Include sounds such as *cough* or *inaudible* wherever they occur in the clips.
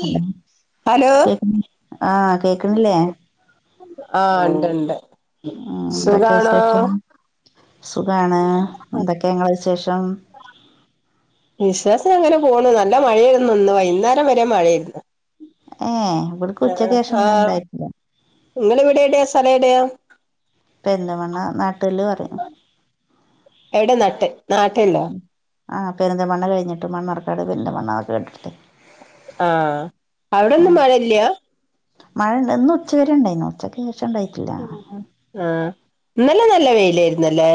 Hello hello കേ ആഹ് കേക്ക്ണില്ലേ ആഹ് ഇണ്ട് ഇണ്ട് ഉം എന്തൊക്കെ വിശേഷം സുഖാണ് എന്തൊക്കെ നിങ്ങളെ വിശേഷം വിശേഷം അങ്ങനെ പോണ് നല്ല മഴയായിര്ന്ന് ഇന്ന് വൈകുന്നേരം വരെ മഴയായിരുന്ന് ഏഹ് ഇവിട്ക്ക് ഉച്ചയ്ക്ക് ശേഷം അങ്ങനെ ആഹ് ഇണ്ടായിട്ടില്ല. നിങ്ങള് ഇവിടെ എവിടെയാ സ്ഥലേടയാ പെരിന്തൽമണ്ണ നാട്ടെല്ല് പറയും ഏടെ നട്ട് നാട്ടെല്ലോ ആഹ് പെരിന്തൽമണ്ണ കഴിഞ്ഞിട്ട് മണ്ണാർക്കാട് പെരിന്തൽമണ്ണ അതൊക്കെ കേട്ടില്ലേ. ആഹ് അവിടൊന്നും മഴയില്ല മഴ ഇണ്ട് ഇന്ന് ഉച്ച വരെണ്ടായിരുന്നു ഉച്ചക്ക് ശേഷം ഉണ്ടായി ആഹ് ഇന്നലഞ നല്ല വെയിലായിരുന്ന്ല്ലേ.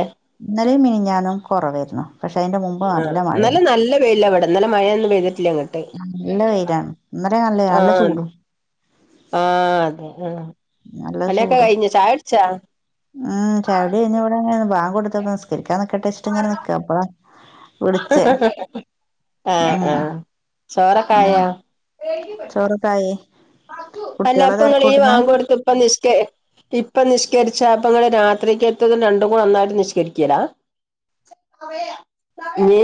ഇന്നലേം മിനിഞ്ഞാന്നും കൊറവേര്ന്നു പഷെ അയിന്റെ മു ആഹ് ഇന്നലെ നല്ല വെയിലാ ഇവടെ ഇന്നലെ മഴയൊന്നും പെയ്ത്ട്ടില്ല ഇങ്ങട്. ഉം നല്ല വെയ്ലാണ് ഇന്നലെ നല്ലെ നല്ല ആഹ് ചൂടും ആഹ് അതെ ആഹ് നല്ല പണിയൊക്കെ ചൂടും കഴിഞ്ഞ് ചായുട്ച്ചോ? ഉം ചായുടി കഴിഞ്ഞ് ഇവടെങ്ങനെ ബാങ്ക് കൊടുത്തോക്കെ ന്നിസ്കരിക്കാൻ ന്നിക്കട്ടെച്ച്ങ്ങനെ ന്നിക്ക അപ്പളാ വ്ള്ച്ച ആഹ് ചോറൊക്കെ ആഹ് ആയോ ചോറൊക്കായേ അല്ലപ്പങ്ങളീ വാങ്കൊട്ത്ത്പ്പം നിസ്കെ ഇപ്പ ന്നിസ്കെര്ച്ച അപ്പങ്ങള് രാത്രിക്കെത്തതും രണ്ടും കൂടെ ഒന്നായ്ട്ട് നിസ്കരിക്കലാ ഇയ്യ്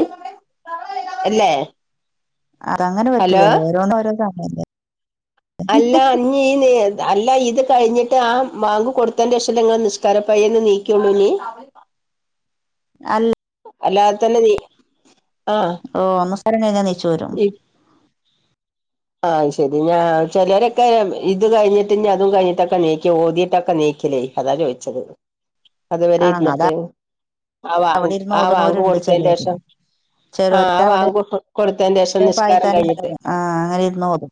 ഇല്ലേ അതങ്ങെനെ പറ്റുലല്ലോ ഓരോന്ന് ഒരോന്ന് അങ്ങനല്ലെ അല്ല അ ഈനി അല്ല ഇത് കഴിഞ്ഞിട്ട് ആഹ് മാങ്ക് കൊടുത്തെന്റെഷല്ലെ ങ്ങള് ന്നിസ്കാരപ്പയേന്ന് നീക്കൊള്ളൂനീ? അൽ അല്ലാതെ തെന്നെ നീ ആഹ് ഓഹ് നമസ്ക്കാരം കഴിഞ്ഞ നീച്ചോരും. ഇ ആഹ് അയ്ശെരി ഞാ ചെലോരൊക്കെ ഇത് കഴിഞ്ഞിട്ട് ഇഞ്ഞ് അതും കഴിഞ്ഞിട്ടൊക്കെ നീക്ക ഓതീട്ടൊക്കെ നീക്കലേയ്. അതാ ചോഴിച്ചത് അത് വരെ ആ അതാ ഇര്ന്നിട്ട് ആഹ് വാങ്ങ് അവിടെ ഇരുന്ന് ആഹ് ഓതണോരുണ്ട് ചിലര് വാങ്കോട്ത്തെന്റേഷം. ചിലര് ആഹ് അവിടെ വാങ്കൊട്ത് കൊടുത്തേന്റേഷം നിസ്കാരം പായിത്താൻ കഴിഞ്ഞിട്ട്. ആ അങ്ങനെ ഇരുന്ന് ഓതും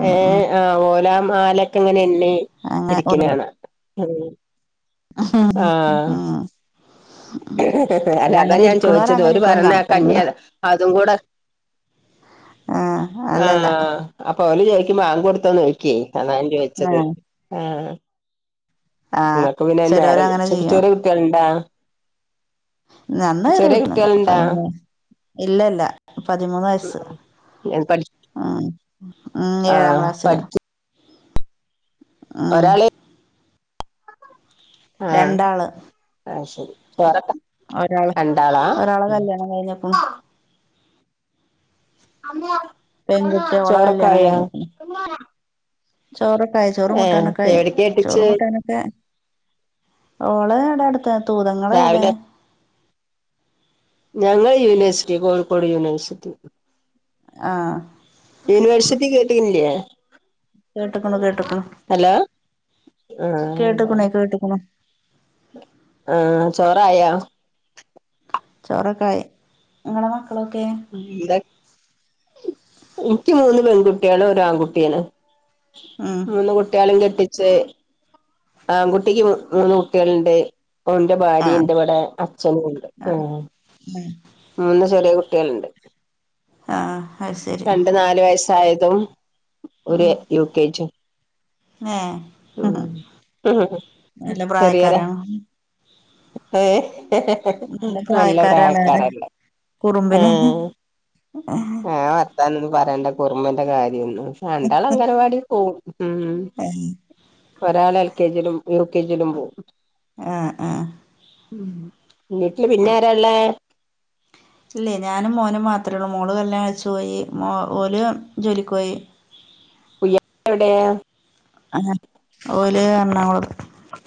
ഉം ഉം ഏഹ് ആഹ് ഓലാ മലൊക്കെങ്ങനെണ്ണി അങ്ങനെ ഇരിക്ക്നാണ അത് ആഹ് ആഹ് അല്ല അതാ ഞാൻ ഇരിക്കണോര് ചോയിച്ചത് അങ്ങനെ ഓര് ഇരിക്കും പറെണെക്ക നമുക്കങ്ങനെ ഇഞ്ഞത അതും കൂടെ ആഹ് അല്ല അല്ല ആഹ് അപ്പൊ ഓല് ചോയിക്കും ബാങ്കോട്ത്തോന്ന് ചോയിക്കും അതാ ഞാൻ ആ ചോയിച്ചത് ആഹ്. ആ ഇങ്ങക്ക് പിന്നെ ചിലവര് ന്നേരം അങ്ങനെ ചേർ ചെയ്യും ചെറിയ കുട്ട്യാള്ണ്ടാ? ന്നന്നെ ചെറിയൊട്ടിന്നുല്ല പതിമൂന്ന് ഇല്ലല്ല പതിമൂന്ന് വയസ്സ്. എഹ് പഠി ആഹ് ഉം ഏഴാം ആഹ് ക്ലാസ്സില് ആഹ് ഒരാളെ ആഹ് രണ്ടാള് ആഹ് ശെരി വെറോക്കെ ഒരാള് ഒരാളെ കല്യാണം കയിഞ്ഞ്ക്ക്ണു. പെൺകുട്ടി ഓളെ കല്യാണം ചോറോക്കായൊ? ചോറൊക്കായി ചോറും കുട്ടാനൊക്കായി എവിടേക്കാ കെട്ടിച്ചേ ചോറും കുട്ടാനും ക്കെ ഓള് ഇവ്ടെ അട്ത്ത തൂത ഇങ്ങളോവ്ടെ? രാവിലെ ഞങ്ങള് യൂന് വേഴ്സിറ്റി കോഴിക്കോട് യൂണിവേഴ്സിറ്റി. ആഹ് യൂണിവേഴ്സിറ്റി കേട്ടിൻല്ലേ? കേട്ട്ക്കണു കേട്ട്ക്കണു അലോ ആഹ് കേട്ട്ക്കണേ അവ്ടെണ് കേട്ട്ക്കണു ആഹ് ചോറായോ? ചോറോക്കായി ഇങ്ങളെ മക്കളൊക്കെ? എന്ത ഇയ്ക്ക് മൂന്ന് പെൺട്ട്യാളും ഒരാൺകുട്ടിയാണ്. ഉം മൂന്ന് കുട്ട്യാളീം കെട്ടിച്ച് ആൺകുട്ടിക്ക് മൂന്ന് കുട്ട്യാള്ണ്ട് ഒന്റെ ആഹ് ഭാര്യണ്ട് ഇവടെ അച്ഛനുണ്ട് ആഹ്. എഹ് മൂന്ന് ചെറിയ കുട്ട്യാള്ണ്ട് ആഹ് അത് ശരി രണ്ട് ന്നാല് വയസ്. ആയതും ഒര് ഉം യു കെ ജിം ഏഹ് ഉം നല്ല ചെറിയൊര പ്രായക്കാരാണ് ഏഹ് നല്ല പ്രായ പ്രായക്കാരാണ് പറയ ക്കാരല്ലേ കുറുമ്പിന് ഏഹ് ആഹ് താനൊന്നും പറയണ്ട കുർമേന്റെ കാര്യൊന്നും രണ്ടാള് അംഗനവാടി പോകും ഉം ഏഹ് ഒരാൾ എൽ കെ ജിയിലും യു കെ ജിയിലും പോവും ആഹ് ആഹ് ഉം വീട്ടില് പിന്നാരാള്ളേ ഇല്ലേ ഞാനും മോനും മാത്രെള്ളൂ മോള് കല്യാണം കഴിച്ച് പോയി മൊ ഓല് ജോലിക്ക് പോയി എവിടെയ അങ്ങ് ഓല് എറണാകൂളം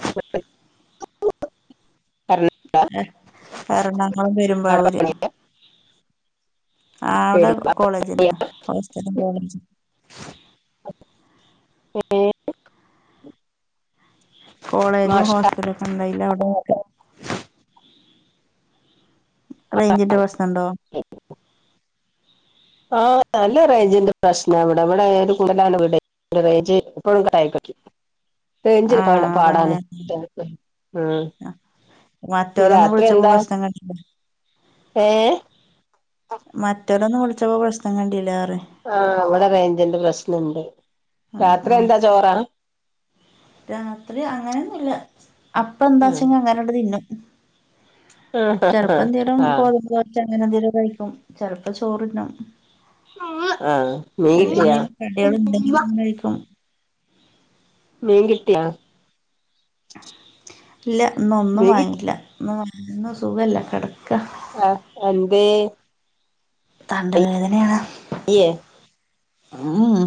*inaudible* എ എറണാംകുളം പെരുമ്പാവൂർ ആഹ് അവിടെ കോളേജിന് ഹോസ്റ്റലും കോളേജും ഏഹ് കോളേജും മാഷാ ഹോസ്റ്റലോക്കെ ണ്ടായിന്റവിടെറിയ റേഞ്ചിന്റെ പ്രശ്നണ്ടോ ആഹ് നല്ല റേഞ്ചിന്റെ പ്രശ്ന ഇവിടെ ഇവിടെ ഒരു കുണ്ടിലാണല്ലോ വീട് റേഞ്ച് എപ്പോഴും കട്ടായികളിക്കും ആഹ് *unintelligible* പാടാണ് അതാണ് ഉം ഇനി മറ്റോരൊന്നും രാത്രി വിളിച്ചപ്പോ എന്താ പ്രശ്നം കണ്ടില്ല ഏഹ് മറ്റേല്ലൊന്നും വിളിച്ചപ്പോ പ്രശ്നം കണ്ടീലാറിയ ആഹ് ഇവിടെ റേഞ്ചന്റ് പ്രശ്നണ്ട് ആഹ് രാത്രി ആഹ് എന്താ ചോറാ രാത്രി അങ്ങനെയൊന്നുല്ല ആഹ് അപ്പന്താച്ചെങ്ക അങ്ങനണ്ട് തിനും ചെലപ്പന്തേങ്കിലും ആഹ് ഗോതമ്പ്ദോശ അങ്ങനെ എന്തെങ്കിലും കഴിക്കും ചെലപ്പ ചോറിന്നും ആഹ് നീട്ടിയ കടിയൾ ഇണ്ടെങ്കിലി ഇങ്ങനെ കഴിക്കും മീൻ കിട്ടിയാ ഇല്ല ഇന്നോന്നും മീൻ വാങ്ങിട്ടില്ല ഇന്ന് ഒന്നും സുഖല്ല കെടക്ക ആഹ് എന്തെ തണ്ടൽ വേദനയാ ഇയ്യേ ഉം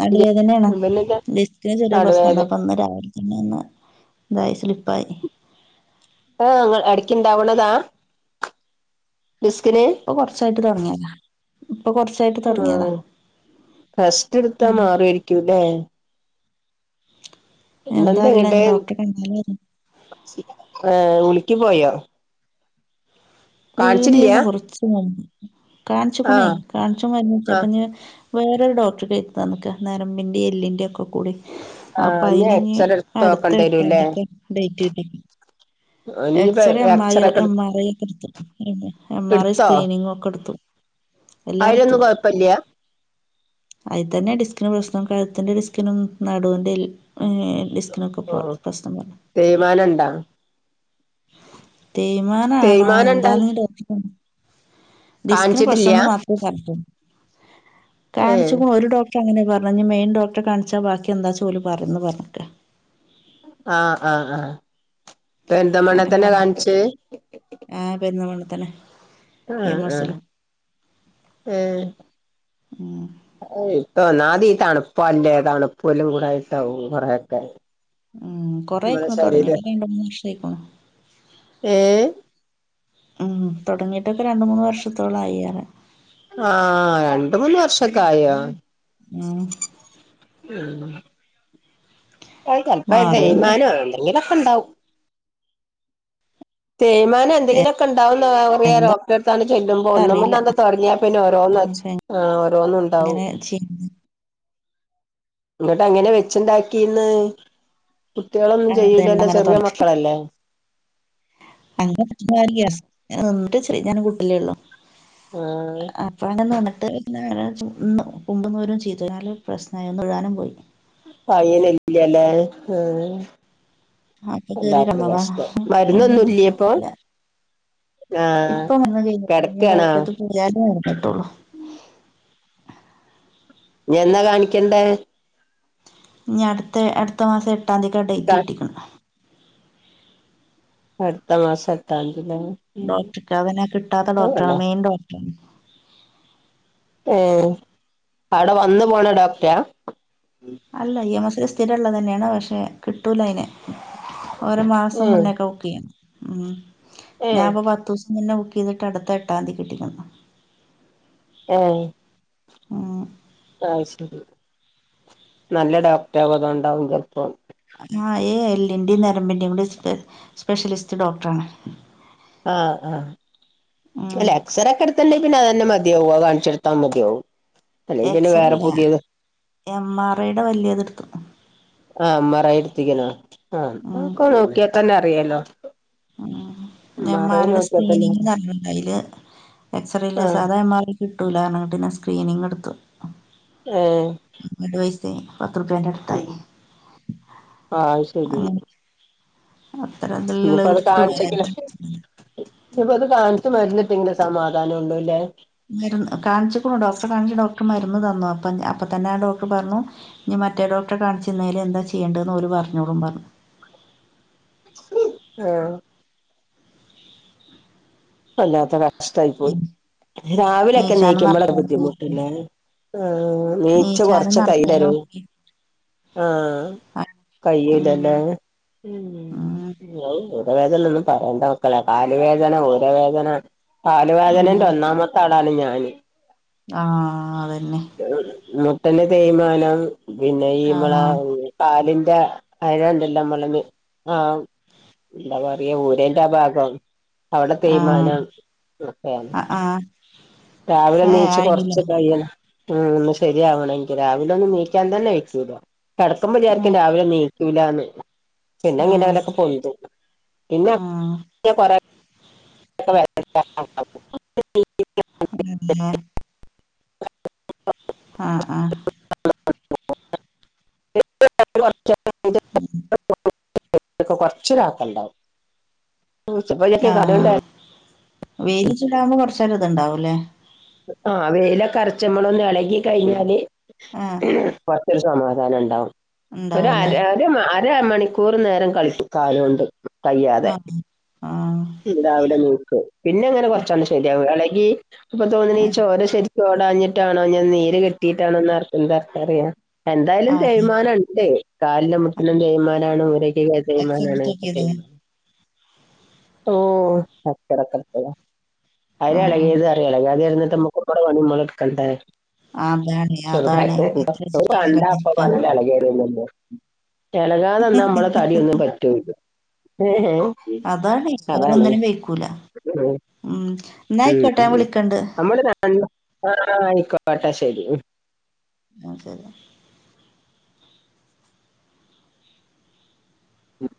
നടുവേദനായാണ് പിന്നെന്താ ടിസ്കിന് ചെറിയ പ്രശ്നണ്ട് നടുവേദന അപ്പൊന്ന് രാവിലെ തന്നെ ഒന്ന് ഇതായി സ്ലിപ്പായി ആഹ് എടക്കിണ്ടാവ്ണതാ ഡിസ്കിന് ഇപ്പൊ കോർച്ചായിട്ട് തോടങ്ങിയത ഇപ്പൊ കോർച്ച് ആഹ് റെസ്റ്റ്ട്ത്താ ഉം മാറുഏരിക്കൂല്ലേ എന്താ ഇന്നെന്താ അറിയില്ല ഇനി ഇങ്ങട്ട് ഡോക്റെ കണ്ടി *unintelligible* ഏഹ് ഉളുക്കി പോയോ കാണിച്ചില്ല്യ വീണീര്ന്നു കൊറച്ച് മുമ്പ് കാണിചുകുണേ ആഹ് കാണിച് ആഹ് മര്ന്ന്കുടിച്ചപ്പ നീ വേറൊരു ഡോക്ടർക്ക് എഴുതി തന്നാക്കാ നെരമ്പിന്റെയും എല്ലിൻ്റെയോക്കെ കൂടി ആഹ് അപ്പൊ ഇനി അയിന്ഞ് എക്സറേ എടുത്ത് നോക്കണ്ടി അടുത്ത വരൂല്ലേ എട്ടാംതിക്ക ഡേറ്റ് കിട്ടിക്ക് ഓന് ഇനിപ്പോ എക്സ്റേം എം എക്സറേ ആയർ ഒക്കെ എടു എം ആർ ഐ ഒക്കെ എടുത്തു എം ആർ ഐ എടുത്തോ സ്ക്രീനിങ്ങോക്കെടുത്തു അയിലൊന്നും കൊഴപ്പല്ല്യാ അയ്ത്തന്നെ ഡിസ്കിന് പ്രശ്നം കഴുത്തിന്റെ ഡിസ്കിനും നടുവിന്റെ എൽ ഏഹ് ഡിസ്ക്കിനൊക്കപ്പൊ ആഹ് പ്രശ്നം പറഞ്ഞെ തേയ്മാനണ്ടാ തേമാനാണോ തേയ്മാനണ്ടാ എന്താന്ന് ഡോക്ടറെ ക ഡിസ്കിന് കാണിച്ചിട്ടില്ല്യ പ്രശ്നംന്ന് മാത്രമേ പറഞ്ഞ്ട്ടുള്ളു ഏഹ് കാണിച്ചുകുണു ഒരു ഡോക് അങ്ങനെ പറഞ് മെയിൻ ഡോക്ടറെ കാണിച്ചാ ബാക്കി എന്താ ചോലി പറന്ന് പറഞ്ഞട്ടെ ആഹ് ആഹ് ആഹ് ഇപ്പൊ പെരുന്ത മണ്ണേ അങ്ങനെ തന്നെ പറഞ്ഞു കാണിച്ചേ ആഹ് പെരുന്ന മണ്ണത്തനെ ആഹ് ആഹ് ഏഹ് ഉം ഇപ്പൊന്നാതീ തണുപ്പല്ലേ തണുപ്പല്ലും കൂടെട്ടാവും കൊറെക്കെ ഉം കൊറെ ആയേക്കണ് തുടങ്ങിട്ട് രണ്ട് മൂന്ന് വർഷ ആയിക്കാണും ഏഹ് ഉം തുടങ്ങിട്ടൊക്കെ രണ്ട് മൂന്ന് വർഷത്തോളം ആയിറിയ ആഹ് രണ്ട് മൂന്ന് വർഷക്കായോ ഉം ഉം ചിലപ്പോ മാറും പിന്നെ തെയ്മാനം എന്തെങ്കിലൊക്കെണ്ടാവും തെയുമാനം എന്തെങ്കിലൊക്കെണ്ടാവുന്ന എന്താ ഡോക്ടറെ എടുത്താണ് ചെല്ലുമ്പോ അറീല്ല ഒന്നുംന്ത തുടങ്ങിയാ പിന്ന ഓരോന്ന് വച്ച്‌ ഇപ്പ ആഹ് ഓരോന്നു ഉണ്ടാവും എങ്ങനെ ചെയ്യ്ന്ന് എന്നിട്ടങ്ങട്ടനെ വെച്ചുണ്ടാക്കിന്ന് കുട്ടികളൊന്നും അതന്നെ ചെയ്ല്ലല്ലോ അങ്ങനെ ചെറിയ തൊടങ്ങി മക്കളല്ലേ *unintelligible* കൂട്ടലേ ഒള്ളു ആഹ് അപ്പൊ അങ്ങനെ *unintelligible* പയ്യൻ ഇല്ലല്ലേ ആഹ് ആഹ് വല്ലാത്തൊരു കഷ്ടം മരുന്നൊന്നും ഇല്ല്യേ ഇപ്പൊ *unintelligible* ആഹ് ഇപ്പൊ വന്നതെനി *unintelligible* കിടക്കാണോ ഡോക്ടറെ *unintelligible* ഇനി എന്നാ കാണിക്കണ്ടേ ഇനി അടുത്ത അടുത്ത മാസം എട്ടാം തീയതിക്കാ ഡേറ്റ് കിട്ടിക്കുന്ന അടുത്ത മാസം എട്ടാന്തില്ലേ ഡോക്ടർക്ക് അതിനെ കിട്ടാത്ത ഡോക്ടറാണ് മെയിൻ ഡോക്ടറാണ് ഏഹ് അവിടെ വന്ന് പോണ ഡോക്ടറ അല്ല ഇ എം എസ് ഐ സ്ഥിരം ഉള്ളത് തന്നെയാണ് പക്ഷെ കിട്ടൂല അതിനെ ഒരേ മാസം ഏഹ് മുന്നേക്കെ ബുക്ക് ചെയ്യും ഏഹ് ഞാൻപ്പോ പത്ത് ദി ഇന്ന് ബുക്ക് ചെയ്ത്ട്ടാ അടുത്ത എട്ടാം തീയതി കിട്ടിക്കണ ആഹ് ഉം ആഹ് ശരി നല്ല ഡോക്ടർ അത് ഉണ്ടാവില്ലപ്പം ആഹ് എല്ലിന്റെയും നരമ്പിൻന്റെയും കൂടെ സ്പെ സ്പെഷ്യലിസ്റ്റ് ഡോക്ടറാണ് ആഹ് ആഹ് ഉം അല്ല എക്സറ ഒക്കെ എടുത്തുണ്ടെങ്കിൽ പിന്നെ അത് തന്നെ മതിയാവും കാണിച്ച് കൊടുത്താൽ മതിയാവും അല്ലെങ്കിൽ പിന്നെ എക്സ്റേ വേറെ പുതിയത് അല്ലഎം ആർ ഐയുടെ വലിയത് എടുത്തു ആഹ് എം ആർ ഐ എടുത്തിക്കണോ ആഹ് ഉം അപ്പോ നോക്കിയാൽ തന്നെ അറിയാലോ ഉം എം ഐ ആർ ടെ നോക്കിയാൽ തന്നെ അറിയാം സ്ക്രീനിങ്ല്ലണ്ട അതില് എക്സറേല്ല ആഹ് സാധ എം ആർ കിട്ടൂല അങ്ങനെ പിന്നെ സ്ക്രീനിങ് എടുത്തു ആഹ് ഒരുപാട് പൈസായി പത്ത് റുപ്യാന്റെ ഉം അത് ശരി അങ്ങനെ *unintelligible* ഇനിപ്പ അത് കാണിച്ച് മരുന്ന് കിട്ടിയങ്കിലേ സമാധാനംള്ളൂല്ലേ മരുന്ന് കാണിച്ചിക്കണു ഡോക്ടറെ കാണിച്ച് ഡോക്ടർ മരുന്ന് തന്നു അപ്പ അപ്പ തന്നെ ആ ഡോക്ടർ പറഞ്ഞു ഇനി മറ്റേ ഡോക്ടറെ കാണിച്ച് എന്തെല് ചെയ്യേണ്ടതെന്ന് ഓരു പറഞ്ഞോളുന്ന് പറഞ്ഞു ആഹ് വല്ലാത്ത കഷ്ടായി പോയി ഉം. രാവിലെയൊക്കെ നീച്ചാനും എണീക്കുമ്പളാ നടക്കാനും വയ്ക്കൂലേ ബുദ്ധിമുട്ടല്ലേ ആഹ് എണിച്ച് നീച്ചാനും കൊറച്ച കൈ നടക്കാനും തരും ഒന്നും ആഹ് ആ, കഴിയുലല്ലേ ഉം ഉം ഏഹ് ഊരവേദന ഒന്നും പറയേണ്ട മക്കളെ കാല് വേദന തല വേദന കാല് വേദനന്റെ ഉം ഒന്നാമത്തെ ആളാണ് ഞാന് ആഹ് അതന്നെ മുട്ടിന്റെ തേയ്മാനം പിന്നെ ഈ ആഹ് കാലിന്റെ അഴണ്ടല്ലോ അമള ആഹ് എന്താ പറയ ഊരന്റെ ഭാഗം അവിടെ ആഹ് തേയ്മാനം ഒക്കെയാണ് ആഹ് ആഹ് *inaudible* രാവിലെ ഏഹ് എനീച്ച് ആയില്ലേ കൊറച്ച് കഴിയണം ഉ ഒന്ന് ശരിയാവണെങ്കിൽ രാവിലെ ഒന്ന് എനീക്കാൻ തന്നെ വെക്കൂടോ കെടക്കുമ്പോൾവിചാരിക്കും രാവിലെ നീക്ക ലന്ന് പിന്നെ ആഹ് അങ്ങനെയൊക്കങ്ങനെ പൊന്തും പിന്നെ ആഹ് *unintelligible* *unintelligible* അത് തന്നെ *unintelligible* ആഹ് ആഹ് *unintelligible* ഉം ക്ക കൊറ്ച്ച് *unintelligible* ഇണ്ടാവും. സുബൈയൊക്കെ ആഹ് കാണല്ലേ വെയില് ചൂടാകുമ്പോ കൊറച്ചേരം ഇത്ണ്ടാവൂല്ലേ. ആ വെയില് കറച്ച്മ്മളൊന്ന് എളകി കഴിഞ്ഞാല്. ആഹ് കൊറച്ചരു സമാധാനം ഉണ്ടാവും. ഒരു ആര ഉണ്ടാവൂലേ ഒരു അര മണിക്കൂർ നേരം കളിച്ച് കാലോണ്ട് ഒയ്യാതെ ആഹ് ആഹ് രാവിലെ നോക്ക്. പിന്നെ അങ്ങനെ കൊറ്ചൊണ്ണം ശരിയാവു. എളകി ഇപ്പൊ തോന്നുണ് ആഹ് ചോര ശെരി ഓടാഞ്ഞിട്ടാണോ ഇഞ് നീര് കെട്ടിട്ടാണോ ന്നാർ എന്താർക്ക് അറിയാ എന്തായാലും ആഹ് തേയ്മാനം ഇണ്ട്. കാലിനും മുട്ടുനും തേയ്മാനാണ്. ഊരക്ക് എക്സൽ എടുത്ത് തേയ്മാനാണ്ക്കട്ടെ നോക്കിയതാ ഉം ട്ടോ കച്ചറ കച്ചറ അത് ആഹ് എളകിത് എളകാതെ ഇര്ന്ന്ട്ട് അമക് *unintelligible* ഇട്ക്കണ്ടേ അതാണ് ചെറുതായി അതാണ് എത്ര വെച്ചിട്ടാണ് *unintelligible* എന്റെ അപ്പ കണ്ടിരിക്കുക. പറഞ്ഞ എളകിവരൂന്നാ എളകാതെന്നാ നമ്മളെ തടിയൊന്നും പറ്റൂല *unintelligible* അതാണ് അതാണ് വേറൊന്നിനും വെയ്ക്കൂല. ഉം. ഉം ഇന്നാ ആയിക്കോട്ടെ. ഞാൻ വിളിക്കണ്ട്. നമ്മൾ രണ്ട്. ആ ആയിക്കോട്ടെ. ശെരി ഉം ഇന്നാ ശരി ഉം